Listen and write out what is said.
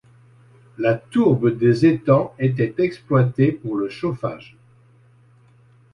La tourbe des étangs était exploitée pour le chauffage.